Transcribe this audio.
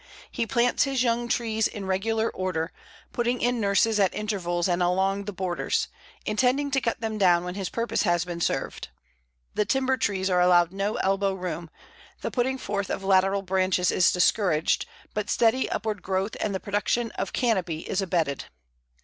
He plants his young trees in regular order, putting in nurses at intervals and along the borders, intending to cut them down when his purpose has been served. The timber trees are allowed no elbow room, the putting forth of lateral branches is discouraged, but steady upward growth and the production of "canopy" is abetted.